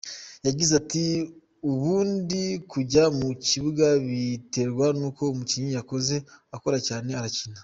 Yagize ati “Ubundi kujya mu kibuga biterwa n’uko umukinnyi yakoze, ukora cyane arakina.